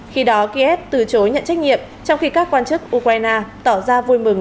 khi đó kiev từ chối nhận trách nhiệm trong khi các quan chức ukraine tỏ ra vui mừng